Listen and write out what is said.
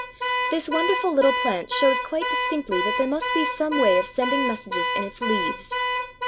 This wonderful little plant shows quite distinctly that there must be some way of sending messages in its leaves.